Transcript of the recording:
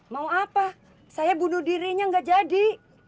mau apa saya bunuh dirinya nggak jadi